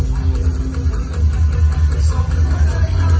มันเป็นเมื่อไหร่แล้ว